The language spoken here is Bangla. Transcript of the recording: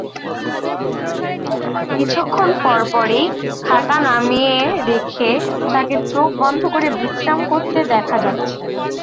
কিছুক্ষণ পর পরই খাতা নামিয়ে রেখে তাকে চোখ বন্ধ করে বিশ্রাম করতে দেখা যাচ্ছে।